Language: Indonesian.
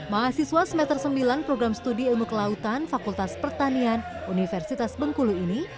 mahasiswa semester sembilan program studi ilmu kelautan fakultas pertanian universitas bengkulu ini